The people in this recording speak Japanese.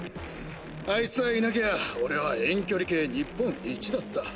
あいつさえいなきゃ俺は遠距離系日本一だった。